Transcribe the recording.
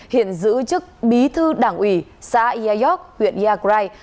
hiện giữ chức bí thư đảng ủy xã ia york huyện ia krai